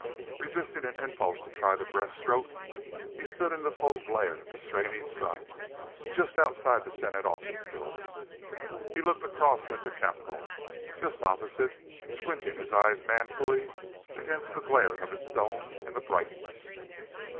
Resisting an impulse to try the breaststroke, he stood in the full glare of the straining sun, just outside the Senate Office Building. He looked across at the Capitol, just opposite, squinting his eyes manfully against the glare of its dome in the brightness.